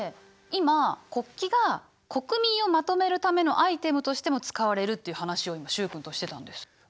今国旗が国民をまとめるためのアイテムとしても使われるという話を今習君としてたんです。